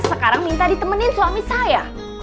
sekarang minta ditemenin suami saya